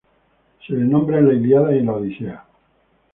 Se le nombra en la "Ilíada" y en la "Odisea".